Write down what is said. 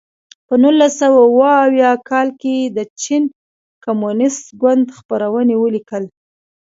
په نولس سوه اووه اویا کال کې د چین کمونېست ګوند خپرونې ولیکل.